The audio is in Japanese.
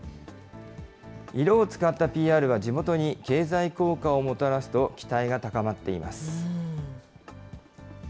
色を使ったＰＲは地元に経済効果をもたらすと期待が高まっています。